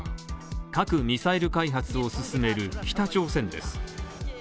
核・ミサイル開発を進める北朝鮮です。